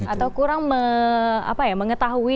atau kurang mengetahui